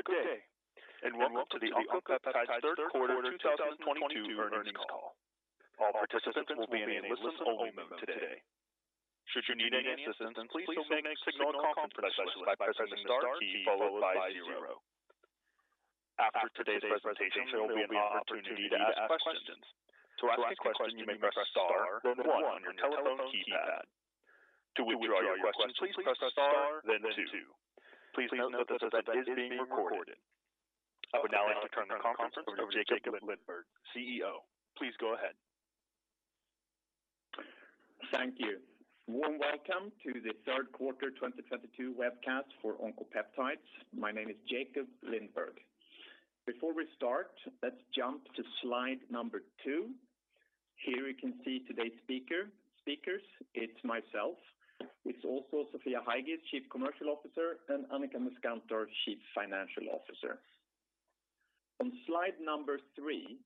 Good day, and welcome to the Oncopeptides third quarter 2022 earnings call. All participants will be in a listen-only mode today. Should you need any assistance, please signal a conference specialist by pressing star key followed by zero. After today's presentation, there will be an opportunity to ask questions. To ask a question, you may press star then one on your telephone keypad. To withdraw your question, please press star then two. Please note that this event is being recorded. I would now like to turn the conference over to Jakob Lindberg, CEO. Please go ahead. Thank you. Warm welcome to the third quarter 2022 webcast for Oncopeptides. My name is Jakob Lindberg. Before we start, let's jump to slide number two. Here you can see today's speaker, speakers. It's myself. It's also Sofia Heigis, Chief Commercial Officer, and Annika Muskantor, Chief Financial Officer. On slide number three,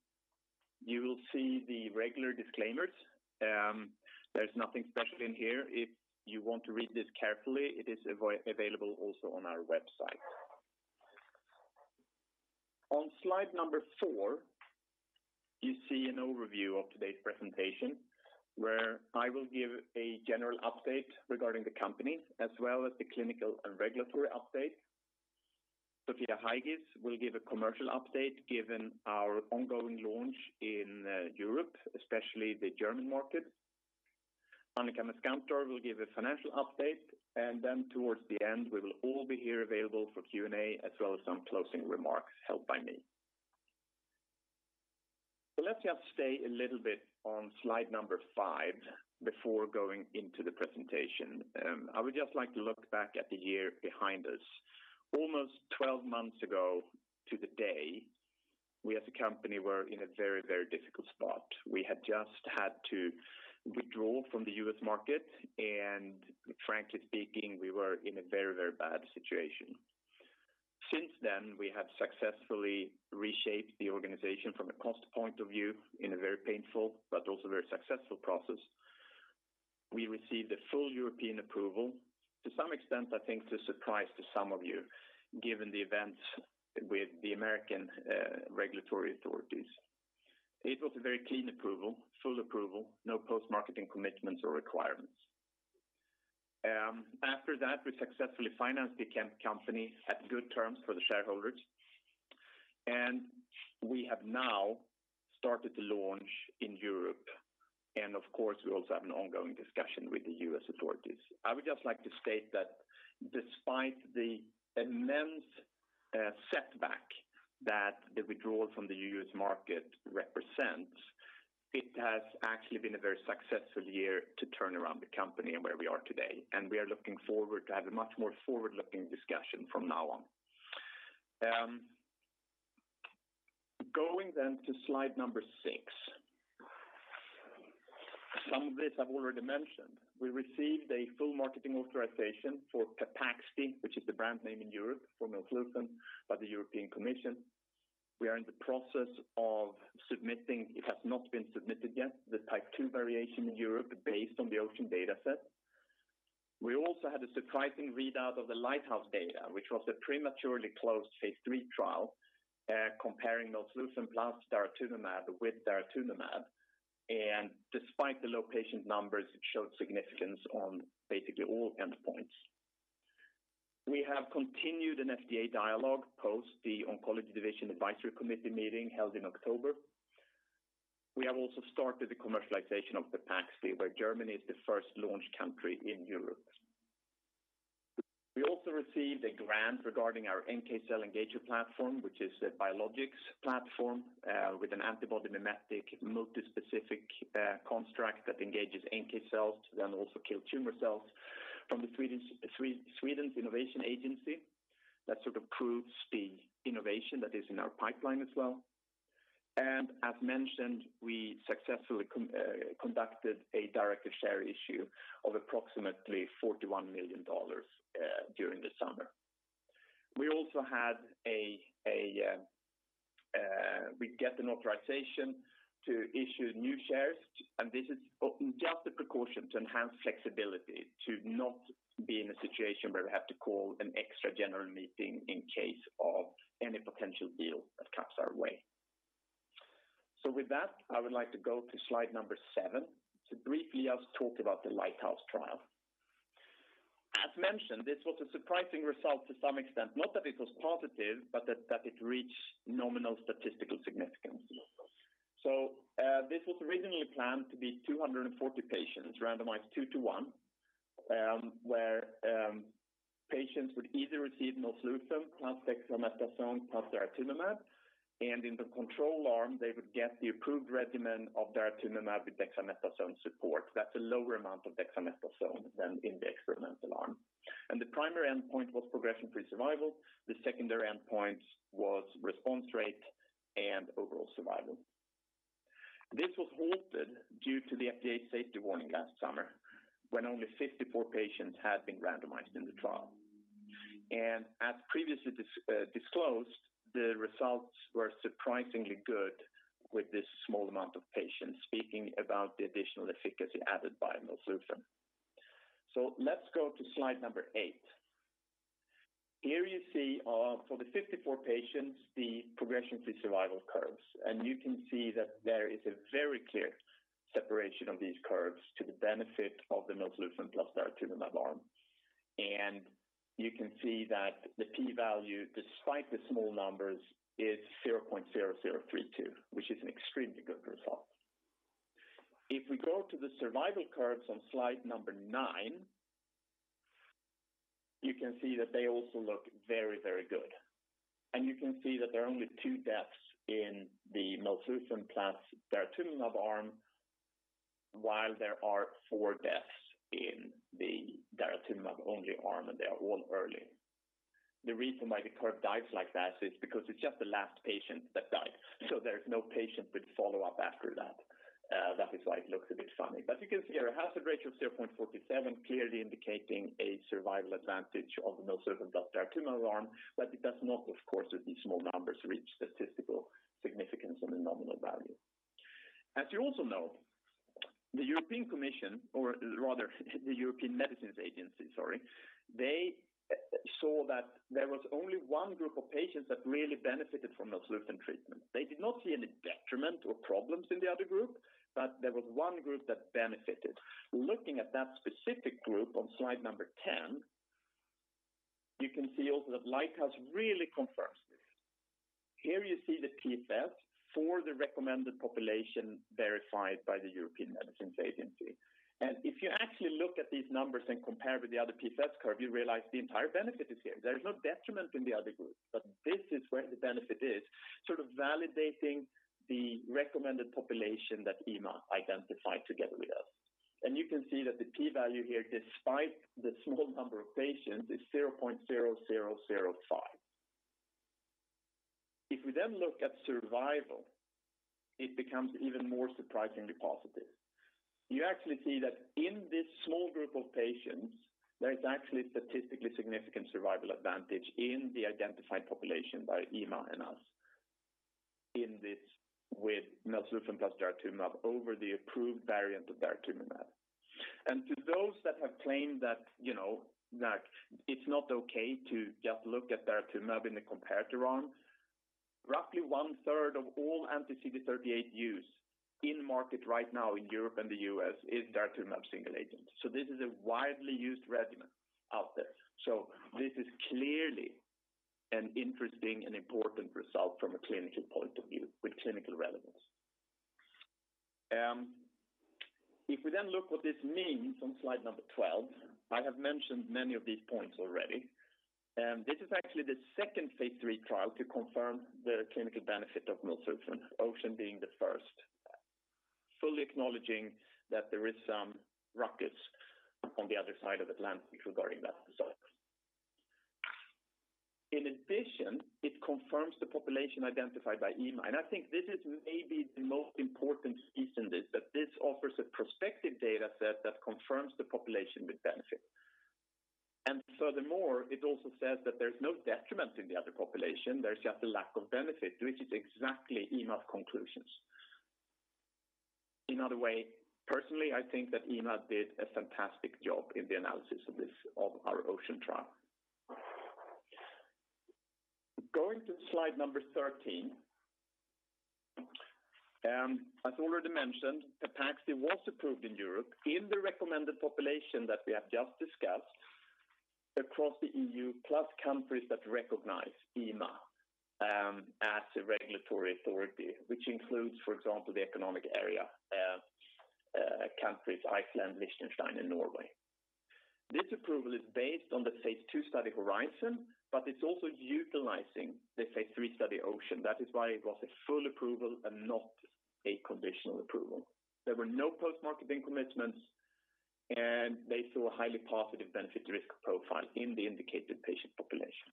you will see the regular disclaimers. There's nothing special in here. If you want to read this carefully, it is available also on our website. On slide number four, you see an overview of today's presentation, where I will give a general update regarding the company as well as the clinical and regulatory update. Sofia Heigis will give a commercial update given our ongoing launch in Europe, especially the German market. Annika Muskantor will give a financial update, and then towards the end, we will all be here available for Q&A as well as some closing remarks held by me. Let's just stay a little bit on slide number five before going into the presentation. I would just like to look back at the year behind us. Almost 12 months ago to the day, we as a company were in a very, very difficult spot. We had just had to withdraw from the U.S. market, and frankly speaking, we were in a very, very bad situation. Since then, we have successfully reshaped the organization from a cost point of view in a very painful but also very successful process. We received a full European approval, to some extent, I think, to the surprise of some of you, given the events with the American regulatory authorities. It was a very clean approval, full approval, no post-marketing commitments or requirements. After that, we successfully financed the company at good terms for the shareholders, and we have now started the launch in Europe. Of course, we also have an ongoing discussion with the U.S. authorities. I would just like to state that despite the immense setback that the withdrawal from the U.S. market represents, it has actually been a very successful year to turn around the company and where we are today. We are looking forward to have a much more forward-looking discussion from now on. Going then to slide number six. Some of this I've already mentioned. We received a full marketing authorization for Pepaxti, which is the brand name in Europe for melflufen by the European Commission. We are in the process of submitting. It has not been submitted yet, the Type II variation in Europe based on the OCEAN dataset. We also had a surprising readout of the LIGHTHOUSE data, which was a prematurely closed phase III trial, comparing melflufen plus daratumumab with daratumumab. Despite the low patient numbers, it showed significance on basically all endpoints. We have continued an FDA dialogue post the Oncologic Drugs Advisory Committee meeting held in October. We have also started the commercialization of Pepaxti, where Germany is the first launch country in Europe. We also received a grant regarding our NK cell engagement platform, which is a biologics platform, with an antibody mimetic multispecific construct that engages NK cells to then also kill tumor cells from Vinnova. That sort of proves the innovation that is in our pipeline as well. As mentioned, we successfully conducted a directed share issue of approximately $41 million during the summer. We also get an authorization to issue new shares, and this is just a precaution to enhance flexibility to not be in a situation where we have to call an extra general meeting in case of any potential deal that comes our way. With that, I would like to go to slide number seven to briefly just talk about the LIGHTHOUSE trial. As mentioned, this was a surprising result to some extent, not that it was positive, but that it reached nominal statistical significance. This was originally planned to be 240 patients randomized 2:1, where patients would either receive melflufen plus dexamethasone plus daratumumab, and in the control arm, they would get the approved regimen of daratumumab with dexamethasone support. That's a lower amount of dexamethasone than in the experimental arm. The primary endpoint was progression-free survival. The secondary endpoint was response rate and overall survival. This was halted due to the FDA safety warning last summer when only 54 patients had been randomized in the trial. As previously disclosed, the results were surprisingly good with this small amount of patients speaking about the additional efficacy added by melflufen. Let's go to slide number eight. Here you see, for the 54 patients, the progression-free survival curves, and you can see that there is a very clear separation of these curves to the benefit of the melflufen plus daratumumab arm. You can see that the p-value, despite the small numbers, is 0.0032, which is an extremely good result. If we go to the survival curves on slide number nine, you can see that they also look very, very good. You can see that there are only two deaths in the melflufen plus daratumumab arm, while there are four deaths in the daratumumab-only arm, and they are all early. The reason why the curve dives like that is because it's just the last patient that died, so there's no patient with follow-up after that. That is why it looks a bit funny. You can see a hazard ratio of 0.47 clearly indicating a survival advantage of the melflufen plus daratumumab arm, but it does not, of course, with these small numbers, reach statistical significance on the nominal value. As you also know, the European Commission, or rather the European Medicines Agency, sorry, they saw that there was only one group of patients that really benefited from melflufen treatment. They did not see any detriment or problems in the other group, but there was one group that benefited. Looking at that specific group on slide number 10, you can see also that LIGHTHOUSE really confirms this. Here you see the PFS for the recommended population verified by the European Medicines Agency. If you actually look at these numbers and compare with the other PFS curve, you realize the entire benefit is here. There is no detriment in the other group, but this is where the benefit is, sort of validating the recommended population that EMA identified together with us. You can see that the p-value here, despite the small number of patients, is 0.0005. If we then look at survival, it becomes even more surprisingly positive. You actually see that in this small group of patients, there is actually statistically significant survival advantage in the identified population by EMA and us in this with melflufen plus daratumumab over the approved variant of daratumumab. To those that have claimed that, you know, that it's not okay to just look at daratumumab in the comparator arm, roughly 1/3 of all anti-CD38 use in market right now in Europe and the US is daratumumab single agent. This is a widely used regimen out there. This is clearly an interesting and important result from a clinical point of view with clinical relevance. If we then look what this means on slide number 12, I have mentioned many of these points already. This is actually the second phase III trial to confirm the clinical benefit of melflufen, OCEAN being the first, fully acknowledging that there is some ruckus on the other side of the Atlantic regarding that result. In addition, it confirms the population identified by EMA, and I think this is maybe the most important piece in this, that this offers a prospective dataset that confirms the population with benefit. Furthermore, it also says that there's no detriment in the other population. There's just a lack of benefit, which is exactly EMA's conclusions. In another way, personally, I think that EMA did a fantastic job in the analysis of our OCEAN trial. Going to slide 13, as already mentioned, Pepaxti was approved in Europe in the recommended population that we have just discussed across the EU plus countries that recognize EMA as a regulatory authority, which includes, for example, the European Economic Area countries Iceland, Liechtenstein, and Norway. This approval is based on the phase II study HORIZON, but it's also utilizing the phase III study OCEAN. That is why it was a full approval and not a conditional approval. There were no post-marketing commitments, and they saw a highly positive benefit to risk profile in the indicated patient population.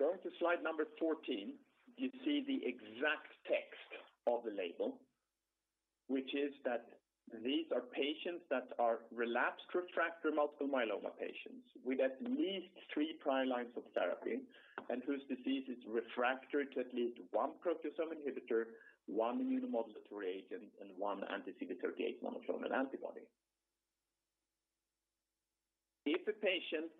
Going to slide number 14, you see the exact text of the label, which is that these are patients that are relapsed refractory multiple myeloma patients with at least three prior lines of therapy and whose disease is refractory to at least one proteasome inhibitor, one immunomodulatory agent, and one anti-CD38 monoclonal antibody. If a patient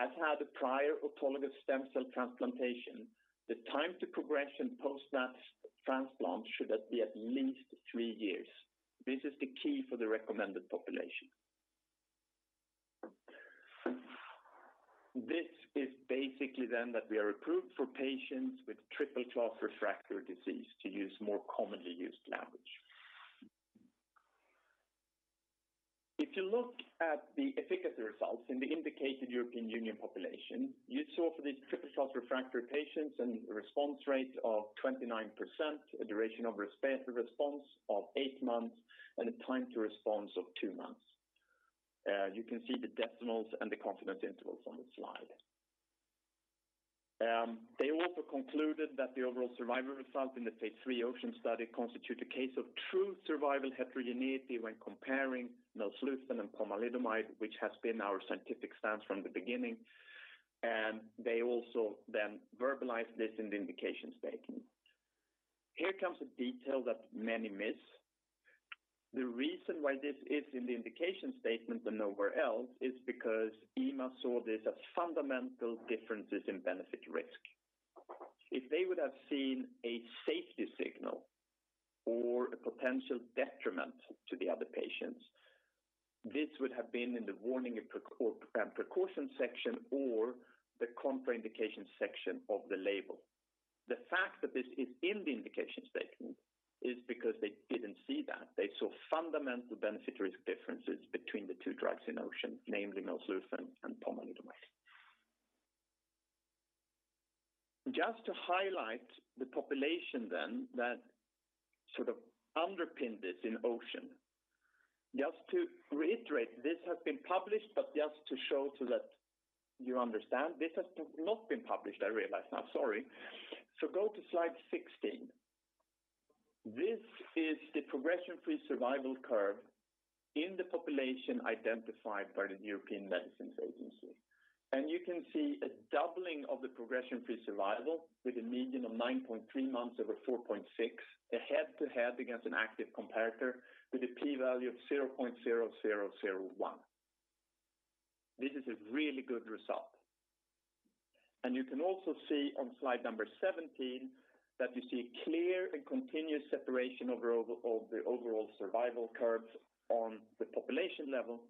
has had a prior autologous stem cell transplantation, the time to progression post that transplant should be at least three years. This is the key for the recommended population. This is basically then that we are approved for patients with triple-class refractory disease, to use more commonly used language. If you look at the efficacy results in the indicated European Union population, you saw for these triple-class refractory patients and response rate of 29%, a duration of response of eight months, and a time to response of two months. You can see the decimals and the confidence intervals on the slide. They also concluded that the overall survival result in the phase III OCEAN study constitute a case of true survival heterogeneity when comparing melflufen and pomalidomide, which has been our scientific stance from the beginning, and they also then verbalized this in the indications taken. Here comes a detail that many miss. The reason why this is in the indication statement and nowhere else is because EMA saw this as fundamental differences in benefit risk. If they would have seen a safety signal or a potential detriment to the other patients, this would have been in the warning and precaution section or the contraindication section of the label. The fact that this is in the indication statement is because they didn't see that. They saw fundamental benefit risk differences between the two drugs in OCEAN, namely melphalan and pomalidomide. Just to highlight the population then that sort of underpinned this in OCEAN. Just to reiterate, this has been published, but just to show so that you understand. This has not been published, I realize now. Sorry. Go to slide 16. This is the progression-free survival curve in the population identified by the European Medicines Agency. You can see a doubling of the progression-free survival with a median of 9.3 months over 4.6, a head-to-head against an active comparator with a p-value of 0.0001. This is a really good result. You can also see on slide number 17 that you see a clear and continuous separation overall of the overall survival curves on the population level.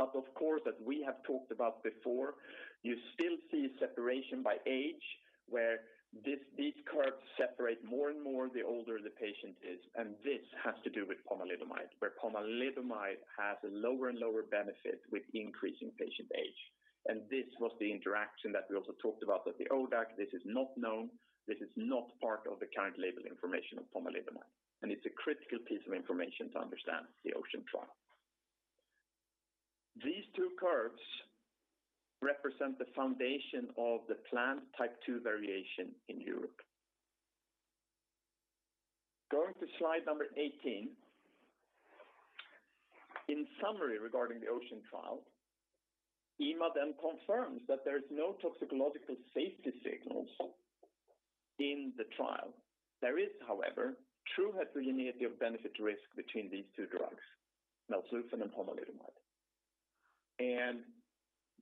Of course, as we have talked about before, you still see separation by age where this, these curves separate more and more the older the patient is, and this has to do with pomalidomide, where pomalidomide has a lower and lower benefit with increasing patient age. This was the interaction that we also talked about at the ODAC. This is not known. This is not part of the current label information of pomalidomide, and it's a critical piece of information to understand the OCEAN trial. These two curves represent the foundation of the planned Type II variation in Europe. Going to slide number 18. In summary, regarding the OCEAN trial, EMA then confirms that there is no toxicological safety signals in the trial. There is, however, true heterogeneity of benefit to risk between these two drugs, melflufen and pomalidomide.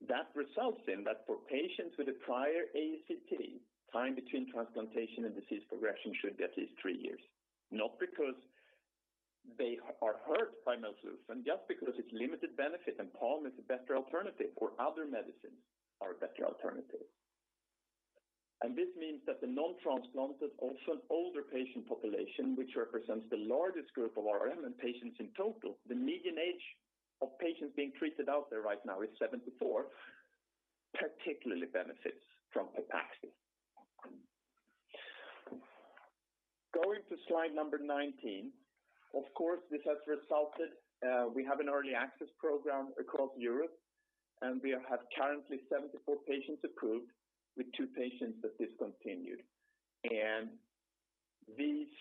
That results in that for patients with a prior ASCT, time between transplantation and disease progression should be at least three years. Not because they are hurt by melphalan, just because it's limited benefit and pom is a better alternative or other medicines are a better alternative. This means that the non-transplanted, often older patient population, which represents the largest group of RRMM patients in total, the median age of patients being treated out there right now is 74, particularly benefits from Pepaxti. Going to slide number 19. Of course, this has resulted, we have an early access program across Europe, and we have currently 74 patients approved with two patients that discontinued. These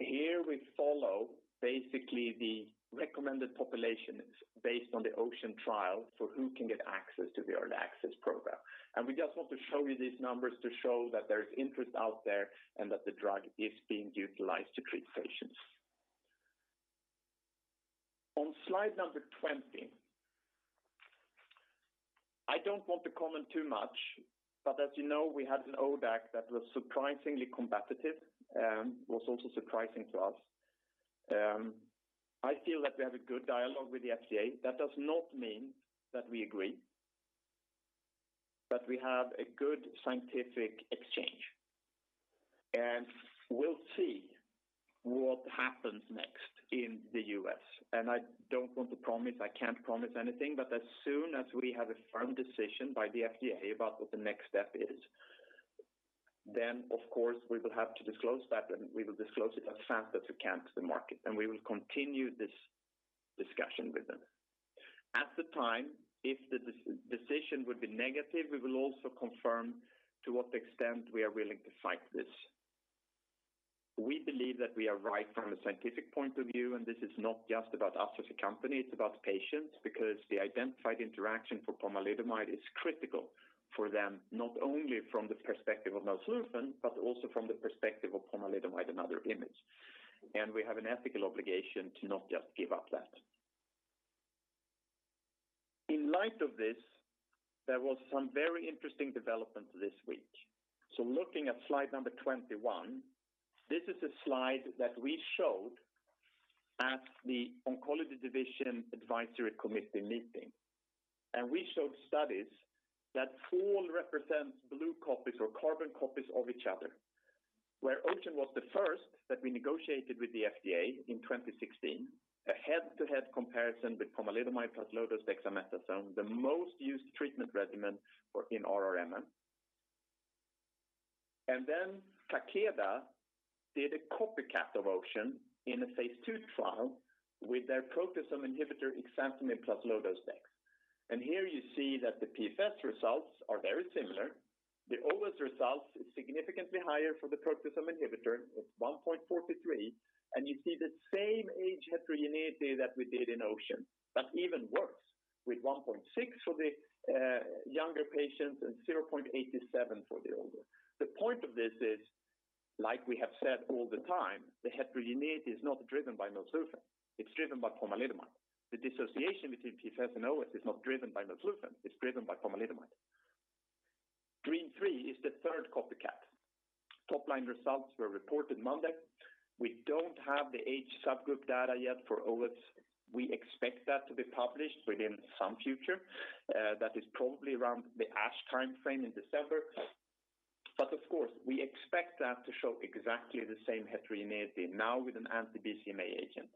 here we follow basically the recommended population based on the OCEAN trial for who can get access to the early access program. We just want to show you these numbers to show that there is interest out there and that the drug is being utilized to treat patients. On slide number 20. I don't want to comment too much, but as you know, we had an ODAC that was surprisingly competitive, was also surprising to us. I feel that we have a good dialogue with the FDA. That does not mean that we agree, but we have a good scientific exchange. We'll see what happens next in the U.S. I don't want to promise, I can't promise anything. As soon as we have a firm decision by the FDA about what the next step is, then of course we will have to disclose that, and we will disclose it as fast as we can to the market, and we will continue this discussion with them. At the time, if the decision would be negative, we will also confirm to what extent we are willing to fight this. We believe that we are right from a scientific point of view, and this is not just about us as a company, it's about patients because the identified interaction for pomalidomide is critical for them, not only from the perspective of melphalan, but also from the perspective of pomalidomide and other IMiDs. We have an ethical obligation to not just give up that. In light of this, there was some very interesting developments this week. Looking at slide number 21, this is a slide that we showed at the Oncologic Division Advisory Committee meeting. We showed studies that all represent close copies or carbon copies of each other. Where OCEAN was the first that we negotiated with the FDA in 2016, a head-to-head comparison with pomalidomide plus low-dose dexamethasone, the most used treatment regimen for RRMM. Takeda did a copycat of OCEAN in a phase II trial with their proteasome inhibitor ixazomib plus low-dose dex. Here you see that the PFS results are very similar. The OS result is significantly higher for the proteasome inhibitor of 1.43. You see the same HR heterogeneity that we did in OCEAN, but even worse. With 1.6 for the younger patients and 0.87 for the older. The point of this is, like we have said all the time, the heterogeneity is not driven by melflufen, it's driven by pomalidomide. The dissociation between PFS and OS is not driven by melflufen, it's driven by pomalidomide. DREAMM-3 is the third copycat. Top line results were reported Monday. We don't have the age subgroup data yet for OS. We expect that to be published within some future, that is probably around the ASH timeframe in December. Of course, we expect that to show exactly the same heterogeneity now with an anti-BCMA agent,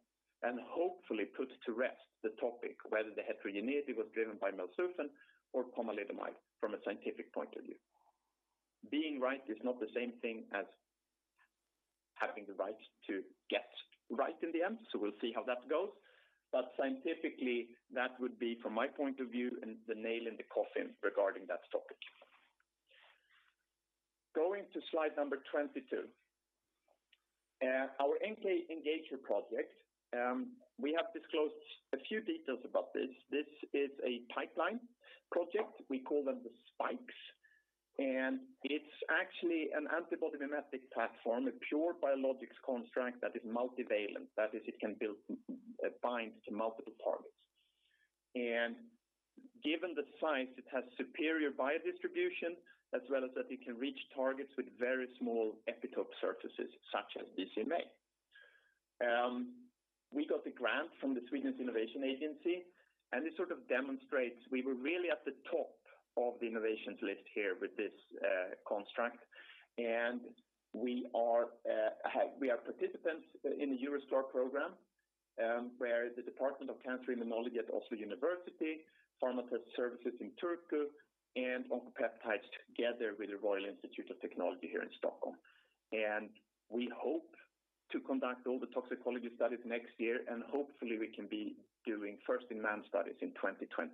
and hopefully put to rest the topic whether the heterogeneity was driven by melflufen or pomalidomide from a scientific point of view. Being right is not the same thing as having the right to be right in the end, so we'll see how that goes. Scientifically, that would be, from my point of view, the nail in the coffin regarding that topic. Going to slide number 22. Our NKEngage project, we have disclosed a few details about this. This is a pipeline project. We call them the spikes, and it's actually an antibody mimetic platform, a pure biologics construct that is multivalent. That is, it can bind to multiple targets. Given the science, it has superior biodistribution, as well as that it can reach targets with very small epitope surfaces such as BCMA. We got a grant from Sweden's Innovation Agency, and this sort of demonstrates we were really at the top of the innovations list here with this construct. We are participants in the Eurostars program, where the Department of Cancer Immunology at the University of Oslo, Pharmatest Services in Turku, and Oncopeptides together with the Royal Institute of Technology here in Stockholm. We hope to conduct all the toxicology studies next year, and hopefully we can be doing first-in-man studies in 2024.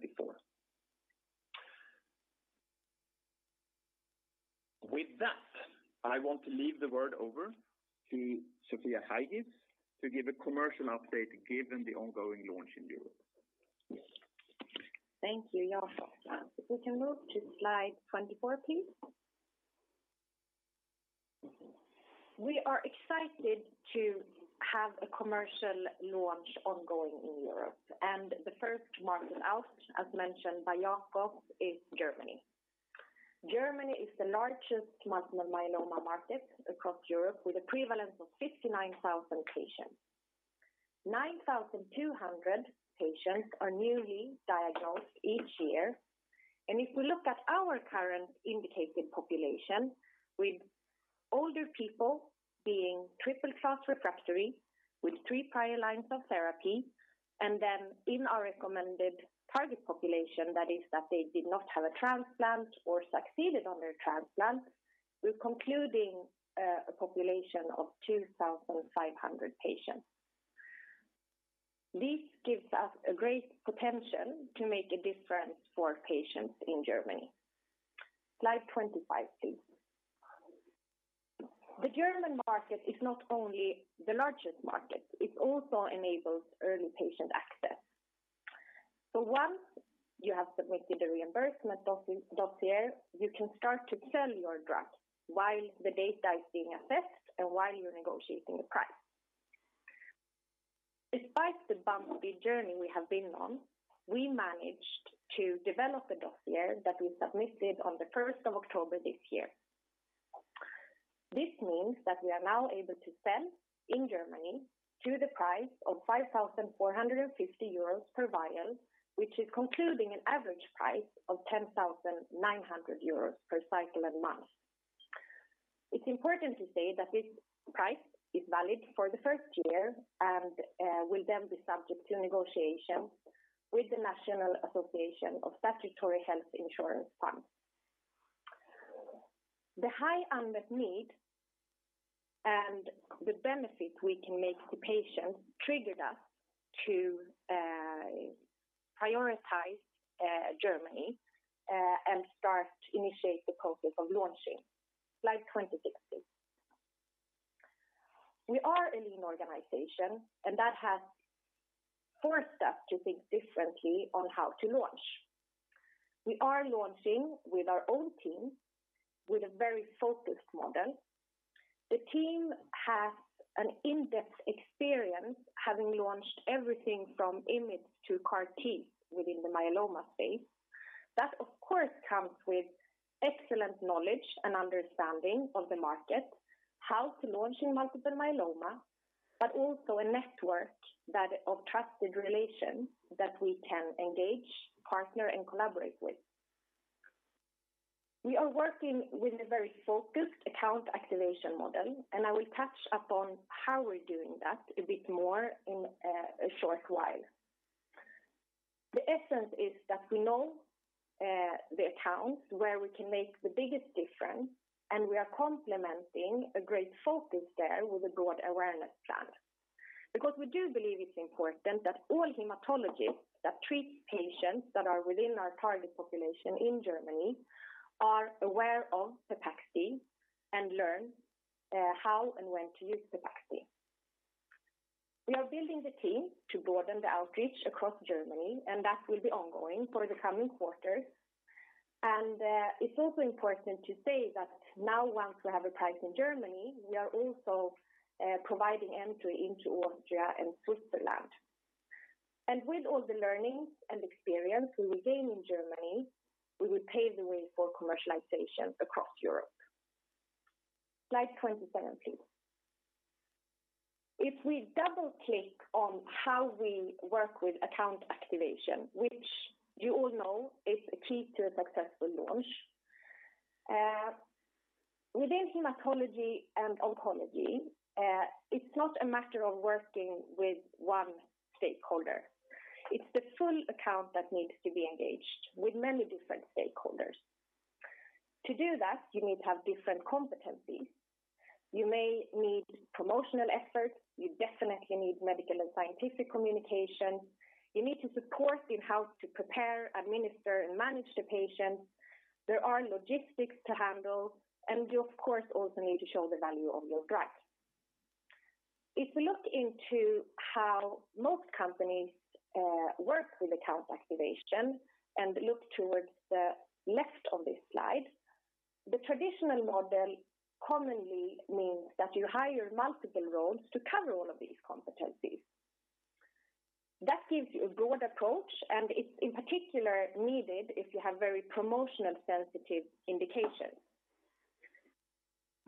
With that, I want to leave the word over to Sofia Heigis to give a commercial update given the ongoing launch in Europe. Thank you, Jakob. We can move to slide 24 please. We are excited to have a commercial launch ongoing in Europe, and the first market out, as mentioned by Jakob, is Germany. Germany is the largest multiple myeloma market across Europe with a prevalence of 59,000 patients. 9,200 patients are newly diagnosed each year. If we look at our current indicated population with older people being triple-class refractory with three prior lines of therapy, and then in our recommended target population, that is that they did not have a transplant or succeeded on their transplant, we're concluding a population of 2,500 patients. This gives us a great potential to make a difference for patients in Germany. Slide 25, please. The German market is not only the largest market, it also enables early patient access. Once you have submitted a reimbursement dossier, you can start to sell your drug while the data is being assessed and while you're negotiating the price. Despite the bumpy journey we have been on, we managed to develop a dossier that we submitted on the first of October this year. This means that we are now able to sell in Germany at the price of 5,450 euros per vial, which corresponds to an average price of 10,900 euros per cycle a month. It's important to say that this price is valid for the first year and will then be subject to negotiation with the National Association of Statutory Health Insurance Funds. The high unmet need and the benefit we can make to patients triggered us to prioritize Germany and start to initiate the process of launching. Slide 26, please. We are a lean organization, and that has forced us to think differently on how to launch. We are launching with our own team with a very focused model. The team has an in-depth experience having launched everything from IMiDs to CAR-T within the myeloma space. That of course comes with excellent knowledge and understanding of the market, how to launch in multiple myeloma, but also a network of trusted relations that we can engage, partner, and collaborate with. We are working with a very focused account activation model, and I will touch upon how we're doing that a bit more in a short while. The essence is that we know the accounts where we can make the biggest difference, and we are complementing a great focus there with a broad awareness plan. Because we do believe it's important that all hematologists that treat patients that are within our target population in Germany are aware of Pepaxti and learn how and when to use Pepaxti. We are building the team to broaden the outreach across Germany, and that will be ongoing for the coming quarters. It's also important to say that now once we have a price in Germany, we are also providing entry into Austria and Switzerland. With all the learnings and experience we will gain in Germany, we will pave the way for commercialization across Europe. Slide 27, please. If we double-click on how we work with account activation, which you all know is a key to a successful launch. Within hematology and oncology, it's not a matter of working with one stakeholder. It's the full account that needs to be engaged with many different stakeholders. To do that, you need to have different competencies. You may need promotional efforts, you definitely need medical and scientific communication. You need to support in how to prepare, administer, and manage the patient. There are logistics to handle, and you of course also need to show the value of your drug. If we look into how most companies work with account activation and look towards the left of this slide, the traditional model commonly means that you hire multiple roles to cover all of these competencies. That gives you a broad approach, and it's in particular needed if you have very promotionally sensitive indications.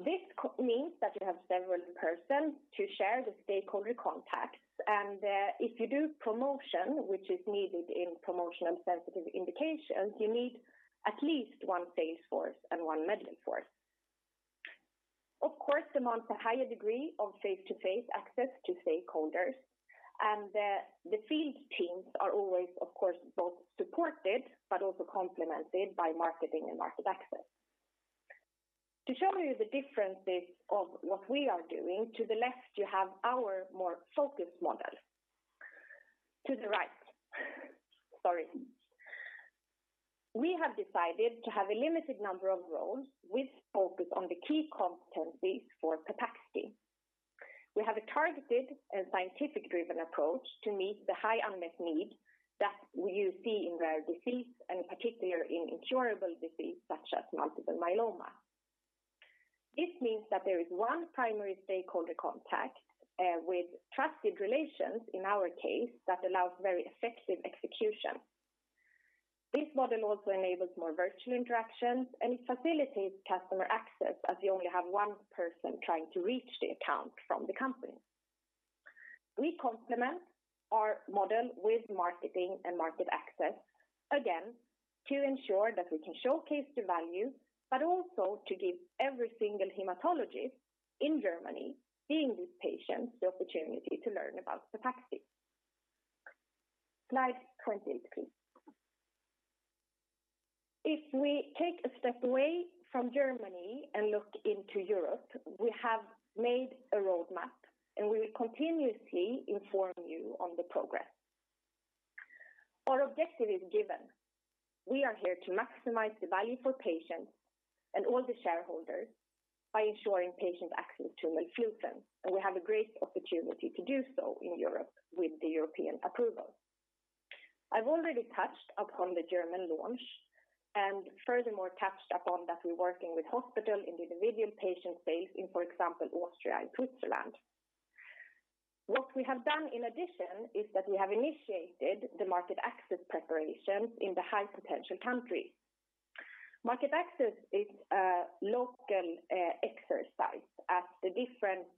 This means that you have several persons to share the stakeholder contacts, and if you do promotion, which is needed in promotional sensitive indications, you need at least one sales force and one medical force. Of course, demands a higher degree of face-to-face access to stakeholders. The field teams are always of course both supported but also complemented by marketing and market access. To show you the differences of what we are doing, to the left you have our more focused model. To the right, sorry. We have decided to have a limited number of roles with focus on the key competencies for Pepaxti. We have a targeted and scientific-driven approach to meet the high unmet need that you see in rare disease, and in particular in incurable disease such as multiple myeloma. This means that there is one primary stakeholder contact with trusted relations in our case that allows very effective execution. This model also enables more virtual interactions, and it facilitates customer access as you only have one person trying to reach the account from the company. We complement our model with marketing and market access, again to ensure that we can showcase the value, but also to give every single hematologist in Germany seeing these patients the opportunity to learn about Pepaxti. Slide 28, please. If we take a step away from Germany and look into Europe, we have made a roadmap, and we will continuously inform you on the progress. Our objective is given. We are here to maximize the value for patients and all the shareholders by ensuring patient access to melflufen, and we have a great opportunity to do so in Europe with the European approval. I've already touched upon the German launch and furthermore touched upon that we're working with hospital in the individual patient space in, for example, Austria and Switzerland. What we have done in addition is that we have initiated the market access preparations in the high-potential countries. Market access is a local exercise as the different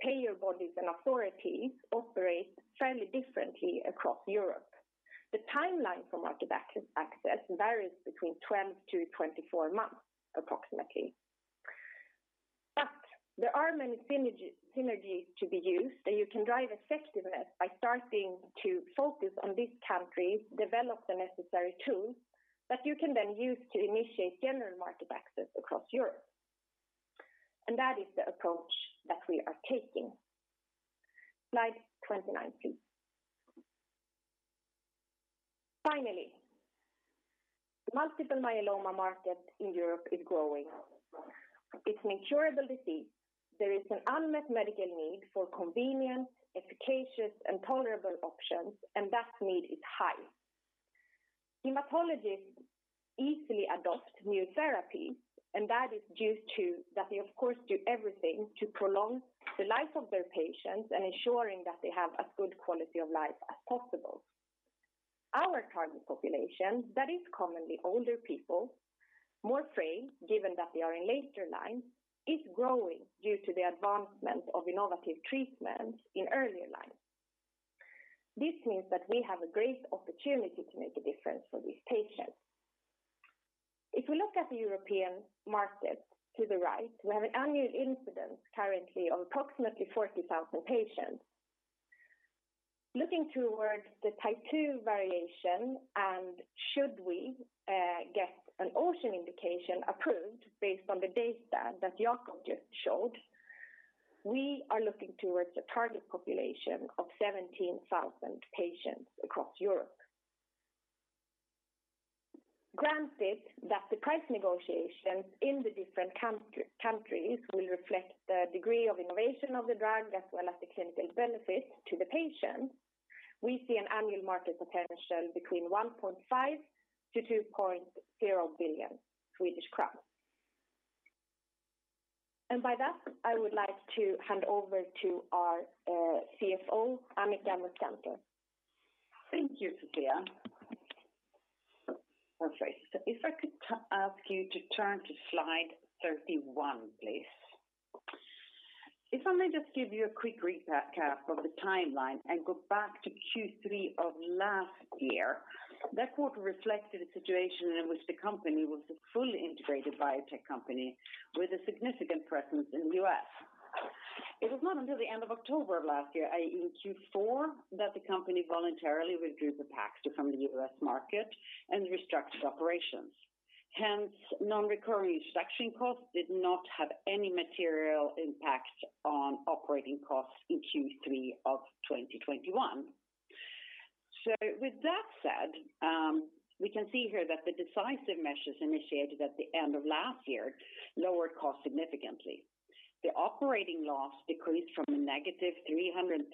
payer bodies and authorities operate fairly differently across Europe. The timeline for market access varies between 12 months-24 months approximately. There are many synergies to be used, and you can drive effectiveness by starting to focus on these countries, develop the necessary tools that you can then use to initiate general market access across Europe. That is the approach that we are taking. Slide 29, please. Finally, the multiple myeloma market in Europe is growing. It's an incurable disease. There is an unmet medical need for convenient, efficacious, and tolerable options, and that need is high. Hematologists easily adopt new therapies, and that is due to that they of course do everything to prolong the life of their patients and ensuring that they have as good quality of life as possible. Our target population, that is commonly older people, more frail, given that they are in later line, is growing due to the advancement of innovative treatments in earlier lines. This means that we have a great opportunity to make a difference for these patients. If we look at the European market to the right, we have an annual incidence currently of approximately 40,000 patients. Looking towards the Type II variation, and should we get an OCEAN indication approved based on the data that Jakob just showed, we are looking towards a target population of 17,000 patients across Europe. Granted that the price negotiations in the different countries will reflect the degree of innovation of the drug as well as the clinical benefit to the patient. We see an annual market potential between 1.5 billion to 2.0 billion Swedish crowns. By that, I would like to hand over to our CFO, Annika Muskantor. Thank you, Sofia. Perfect. If I could ask you to turn to slide 31, please. If I may just give you a quick recap of the timeline and go back to Q3 of last year. That quarter reflected a situation in which the company was a fully integrated biotech company with a significant presence in the U.S. It was not until the end of October of last year, i.e., Q4, that the company voluntarily withdrew the Pepaxti from the U.S. market and restructured operations. Hence, non-recurring restructuring costs did not have any material impact on operating costs in Q3 of 2021. With that said, we can see here that the decisive measures initiated at the end of last year lowered costs significantly. The operating loss decreased from -338.9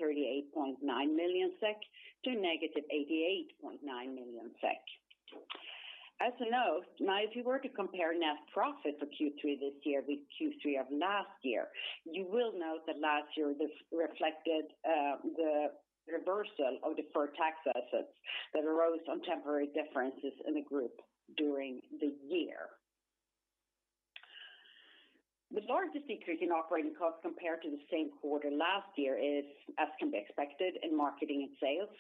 million SEK to -88.9 million SEK. As a note, now, if you were to compare net profit for Q3 this year with Q3 of last year, you will note that last year this reflected the reversal of deferred tax assets that arose on temporary differences in the group during the year. The largest decrease in operating costs compared to the same quarter last year is, as can be expected, in marketing and sales.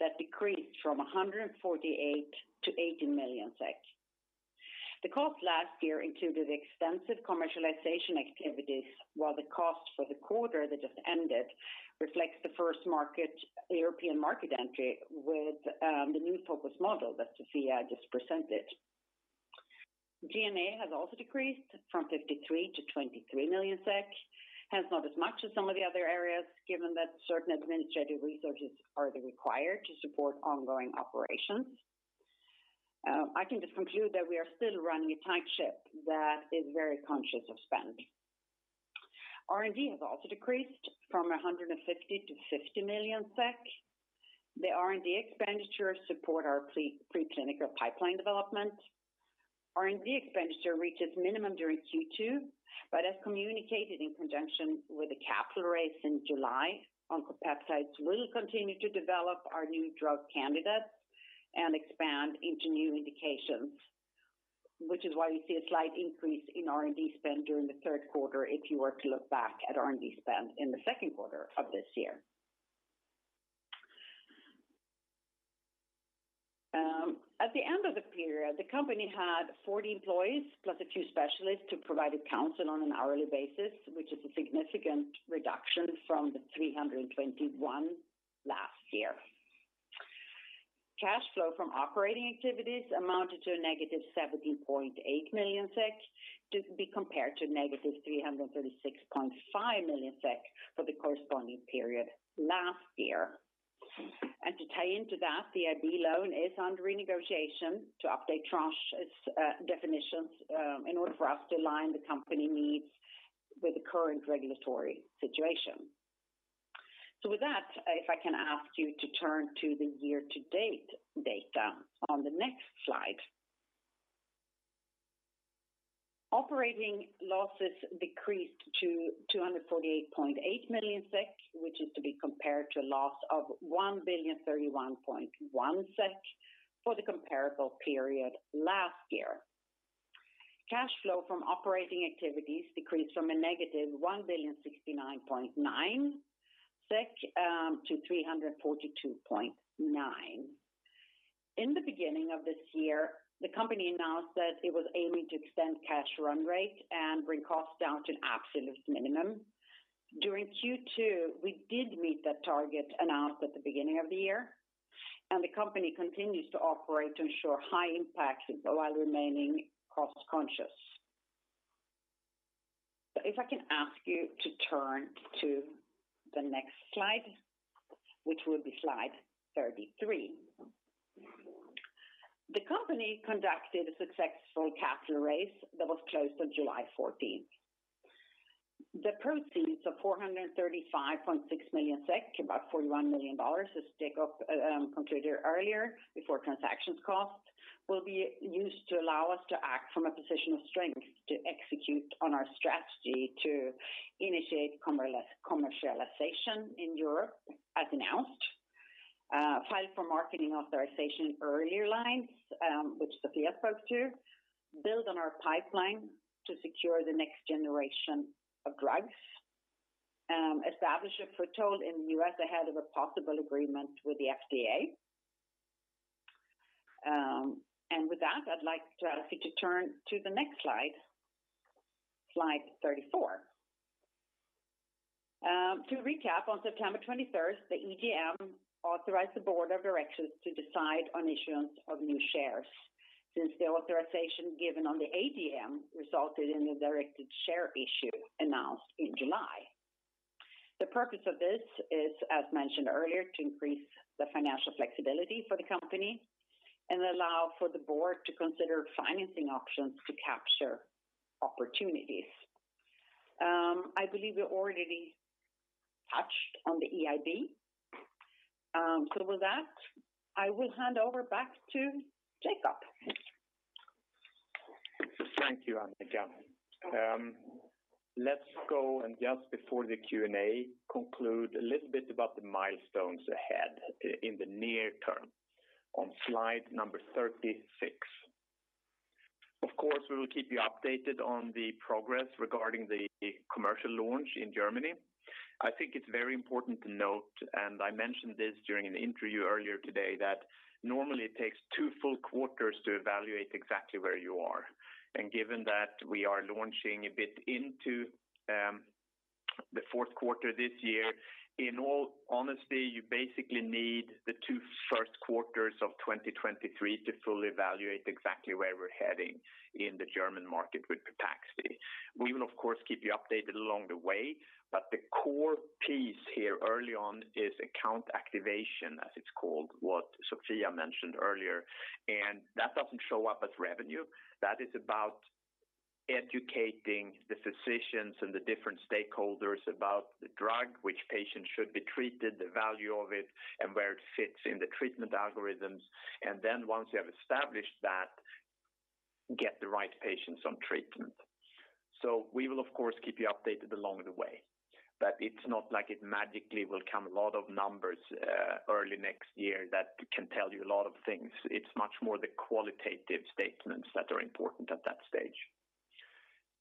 That decreased from 148 million to SEK 80 million. The cost last year included extensive commercialization activities, while the cost for the quarter that just ended reflects the first market, European market entry with the new focus model that Sofia just presented. G&A has also decreased from 53 million to 23 million SEK. Hence, not as much as some of the other areas, given that certain administrative resources are required to support ongoing operations. I can just conclude that we are still running a tight ship that is very conscious of spend. R&D has also decreased from 150 million to 50 million SEK. The R&D expenditure support our preclinical pipeline development. R&D expenditure reaches minimum during Q2, but as communicated in conjunction with the capital raise in July, Oncopeptides will continue to develop our new drug candidates and expand into new indications, which is why we see a slight increase in R&D spend during the third quarter if you were to look back at R&D spend in the second quarter of this year. At the end of the period, the company had 40 employees, plus a few specialists who provided counsel on an hourly basis, which is a significant reduction from the 321 last year. Cash flow from operating activities amounted to -17.8 million SEK, to be compared to -336.5 million SEK for the corresponding period last year. To tie into that, the EIB loan is under renegotiation to update tranches' definitions in order for us to align the company needs with the current regulatory situation. With that, if I can ask you to turn to the year-to-date data on the next slide. Operating losses decreased to 248.8 million SEK, which is to be compared to a loss of 1,031.1 million SEK for the comparable period last year. Cash flow from operating activities decreased from -1,069.9 million SEK to -342.9 million. In the beginning of this year, the company announced that it was aiming to extend cash run rate and bring costs down to an absolute minimum. During Q2, we did meet that target announced at the beginning of the year, and the company continues to operate to ensure high impact while remaining cost-conscious. If I can ask you to turn to the next slide, which will be slide 33. The company conducted a successful capital raise that was closed on July 14. The proceeds of 435.6 million SEK, about $41 million, as Stig completed earlier, before transaction costs, will be used to allow us to act from a position of strength to execute on our strategy to initiate commercialization in Europe, as announced. File for marketing authorization earlier lines, which Sofia spoke to, build on our pipeline to secure the next generation of drugs, establish a foothold in the U.S. ahead of a possible agreement with the FDA. With that, I'd like to ask you to turn to the next slide 34. To recap, on September 23rd, the EGM authorized the board of directors to decide on issuance of new shares, since the authorization given on the AGM resulted in the directed share issue announced in July. The purpose of this is, as mentioned earlier, to increase the financial flexibility for the company and allow for the board to consider financing options to capture opportunities. I believe we already touched on the EIB. With that, I will hand over back to Jakob. Thank you, Annika. Let's go and just before the Q&A conclude a little bit about the milestones ahead in the near term on slide number 36. Of course, we will keep you updated on the progress regarding the commercial launch in Germany. I think it's very important to note, and I mentioned this during an interview earlier today, that normally it takes two full quarters to evaluate exactly where you are. Given that we are launching a bit into the fourth quarter this year, in all honesty, you basically need the two first quarters of 2023 to fully evaluate exactly where we're heading in the German market with Pepaxti. We will of course keep you updated along the way, but the core piece here early on is account activation, as it's called, what Sofia mentioned earlier. That doesn't show up as revenue. That is about educating the physicians and the different stakeholders about the drug, which patients should be treated, the value of it, and where it fits in the treatment algorithms. Then once you have established that, get the right patients on treatment. We will of course keep you updated along the way. It's not like it magically will come a lot of numbers, early next year that can tell you a lot of things. It's much more the qualitative statements that are important at that stage.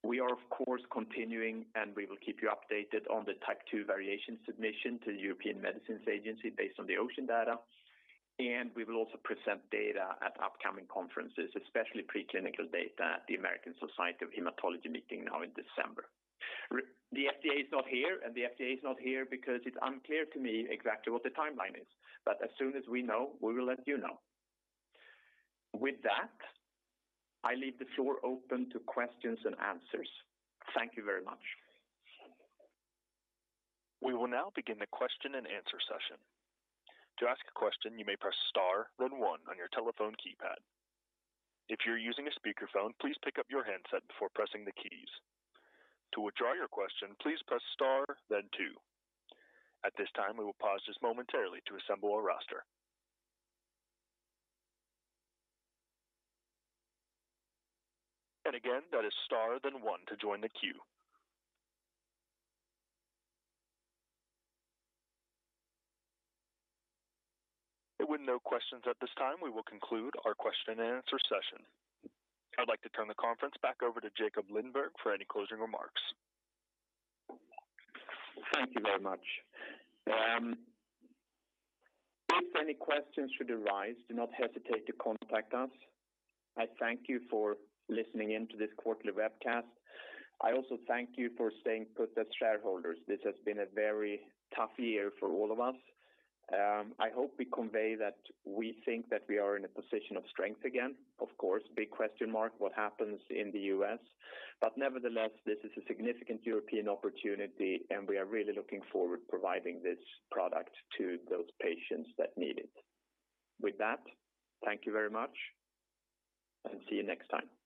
We are of course continuing, and we will keep you updated on the Type II variation submission to the European Medicines Agency based on the OCEAN data. We will also present data at upcoming conferences, especially pre-clinical data at the American Society of Hematology meeting now in December. The FDA is not here because it's unclear to me exactly what the timeline is. As soon as we know, we will let you know. With that, I leave the floor open to questions and answers. Thank you very much. We will now begin the question-and-answer session. To ask a question, you may press star then one on your telephone keypad. If you're using a speakerphone, please pick up your handset before pressing the keys. To withdraw your question, please press star then two. At this time, we will pause just momentarily to assemble a roster. Again, that is star then one to join the queue. With no questions at this time, we will conclude our question-and-answer session. I'd like to turn the conference back over to Jakob Lindberg for any closing remarks. Thank you very much. If any questions should arise, do not hesitate to contact us. I thank you for listening in to this quarterly webcast. I also thank you for staying put as shareholders. This has been a very tough year for all of us. I hope we convey that we think that we are in a position of strength again. Of course, big question mark, what happens in the U.S.? But nevertheless, this is a significant European opportunity, and we are really looking forward providing this product to those patients that need it. With that, thank you very much, and see you next time.